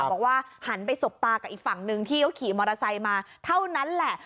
บอกว่าหันไปสบตากับอีกฝั่งหนึ่งที่เขาขี่มอเตอร์ไซค์มาเท่านั้นแหละ